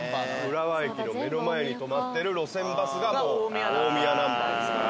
浦和駅の目の前に止まってる路線バスがもう大宮ナンバーですから。